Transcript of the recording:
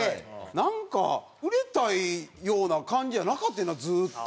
なんか売れたいような感じやなかってんなずーっと。